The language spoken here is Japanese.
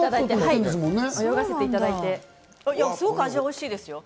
すごく味がおいしいですよ。